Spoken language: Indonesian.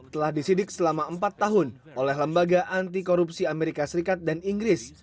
telah disidik selama empat tahun oleh lembaga anti korupsi amerika serikat dan inggris